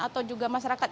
atau juga masyarakat